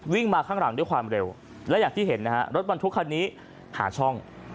มาข้างหลังด้วยความเร็วและอย่างที่เห็นนะฮะรถบรรทุกคันนี้หาช่อง